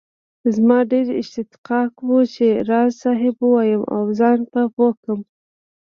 زما ډېر اشتياق وو چي راز صاحب ووايم او زان په پوهه کړم